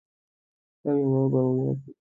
আমি আমার বাবা মায়ের পক্ষ থেকে ক্ষমা চাচ্ছি।